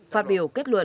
phát biểu kết luận